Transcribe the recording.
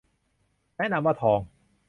แนะนำว่าทอง